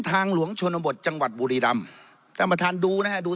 ทางหลวงชนบทจังหวัดบุรีรำท่านประธานดูนะฮะดู